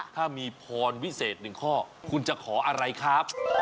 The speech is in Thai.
ถ้ามีพรวิเศษ๑ข้อคุณจะขออะไรครับ